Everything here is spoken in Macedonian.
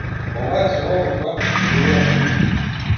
Ова е соба во која престојуваат книги.